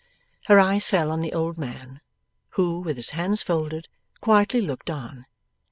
Her eyes fell on the old man, who, with his hands folded, quietly looked on.